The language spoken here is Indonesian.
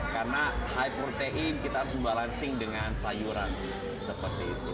karena high protein kita membalansi dengan sayuran seperti itu